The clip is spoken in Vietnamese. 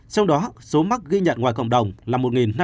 trong đó số mắc ghi nhận ngoài cộng đồng là một hai trăm linh